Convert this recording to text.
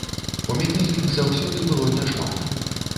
У мяне іх заўсёды было не шмат.